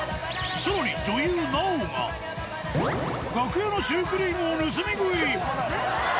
さらに女優、奈緒が、楽屋のシュークリームを盗み食い。